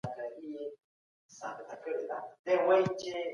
تاسو غواړئ په هلمند کي کومه سوداګري پیل کړئ؟